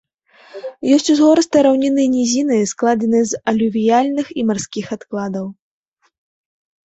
Ёсць узгорыстыя раўніны і нізіны, складзеныя з алювіяльных і марскіх адкладаў.